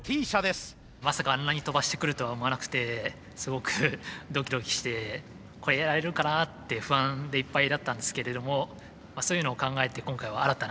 まさかあんなに跳ばしてくるとは思わなくてすごくドキドキして超えられるかなって不安でいっぱいだったんですけれどもそういうのを考えて今回は新たなマシンを。